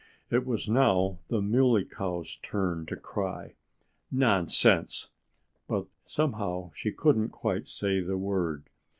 It was now the Muley Cow's turn to cry, "Nonsense!" But somehow she couldn't quite say the word.